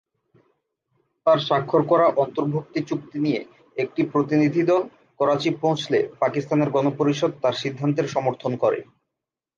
তার স্বাক্ষর করা অন্তর্ভুক্তি চুক্তি নিয়ে একটি প্রতিনিধিদল করাচি পৌঁছলে পাকিস্তানের গণপরিষদ তার সিদ্ধান্তের সমর্থন করে।